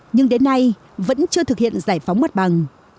nhưng đến nay vẫn chưa thực hiện giải phóng mặt bằng